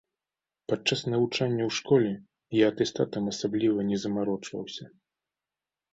Падчас навучання ў школе я атэстатам асабліва не замарочваўся.